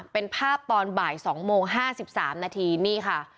เป็นภาพตอนบ่าย๒โมง๕๓นาทีนี่ค่ะ